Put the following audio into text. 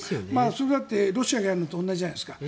それだってロシアがやるのと同じじゃないですか。